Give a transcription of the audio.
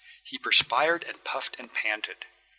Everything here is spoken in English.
He perspired and puffed and panted.